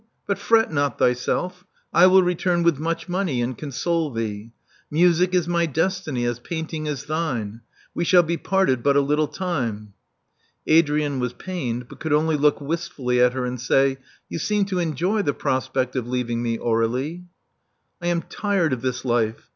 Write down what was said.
But fret not thyself: I will return with much money, and' con sole thee. Music is my destiny, as painting is thine. We shall be parted but a little time." Adrian was pained, but could only look wistfully at her and say, You seem to enjoy the prospect of leav ing me, Aurdlie." I am tired of this life.